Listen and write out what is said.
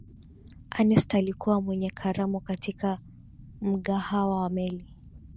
ernest alikuwa kwenye karamu katika mgahawa wa meli